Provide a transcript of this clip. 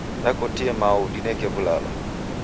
Dakotie mao udineke w'ulalo.